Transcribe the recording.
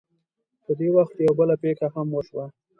په دې وخت کې یوه بله پېښه هم وشوه.